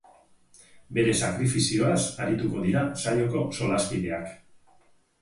Bere sakrifizioaz arituko dira saioko solaskideak.